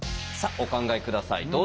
さあお考え下さい。